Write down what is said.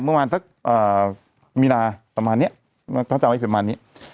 เมื่อวานสักอ่ามีนาประมาณเนี้ยตั้งแต่วันอีกประมาณเนี้ย